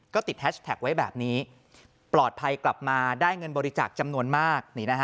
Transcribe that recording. ก็ติดแฮชแท็กไว้แบบนี้ปลอดภัยกลับมาได้เงินบริจาคจำนวนมาก